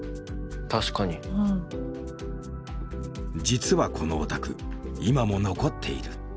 実はこのお宅今も残っている。